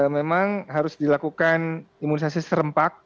memang harus dilakukan imunisasi serempak